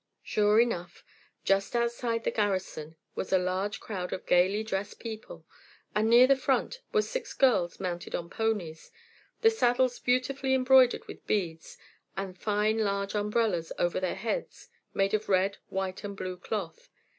Sure enough, just outside the garrison was a great crowd of gayly dressed people, and near the front were six girls mounted on ponies, the saddles beautifully embroidered with beads, and fine large umbrellas over their heads made of red, white and blue cloth.